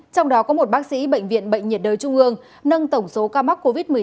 trong đó có một bác sĩ bệnh viện bệnh nhiệt đới trung ương nâng tổng số ca mắc covid một mươi chín